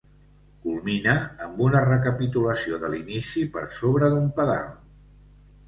Culmina amb una recapitulació de l'inici per sobre d'un pedal.